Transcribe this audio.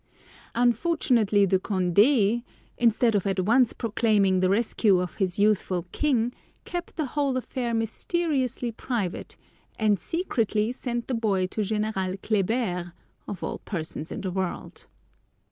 Unfortunately De Condé, instead of at once proclaiming the rescue of his youthful king, kept the whole affair mysteriously private, and secretly sent the boy to General Kléber, of all persons in the world!